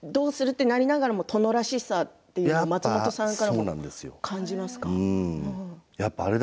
となりながらも殿らしさというのが松本さんからも感じますか？